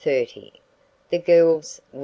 THE GIRLS WIN.